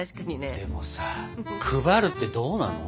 でもさ配るってどうなの？